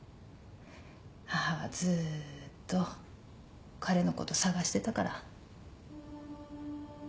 母はずーっと彼のこと捜してたから。